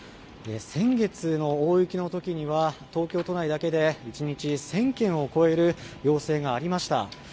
先月の大雪のときには、東京都内だけで、１日１０００件を超える要請がありました。